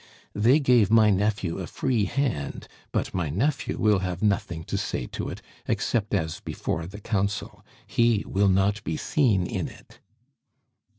They gave my nephew a free hand, but my nephew will have nothing to say to it, except as before the Council; he will not be seen in it."